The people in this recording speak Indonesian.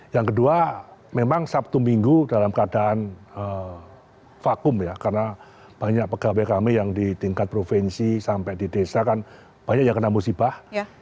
yang kedua memang sabtu minggu dalam keadaan vakum ya karena banyak pegawai kami yang di tingkat provinsi sampai di desa kan banyak yang kena musibah